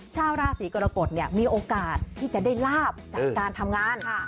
ชาวราศีกรกฎมีโอกาสที่จะได้ลาบจากการทำงาน